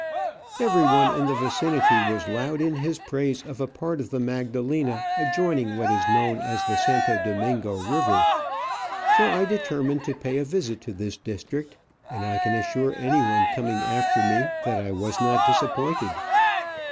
Everyone in the vicinity was loud in his praise of a part of the Magdalena adjoining what is known as the Santo Domingo river, so I determined to pay a visit to this district, and I can assure anyone coming after me that I was not disappointed.